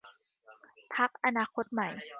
พรรคอนาคตใหม่